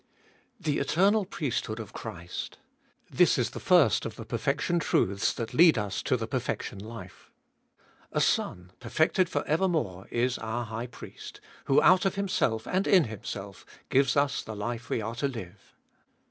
2. The eternal priesthood of Christ : this Is the first of the perfection truths that lead us to the perfection life. A Son, perfected for evermore, Is our High Priest, who out of Himself and in Himself gives us the life we are to Hue.